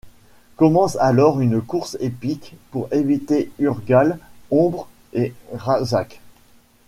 Commence alors une course épique pour éviter Urgals, Ombres et Ra'zacs.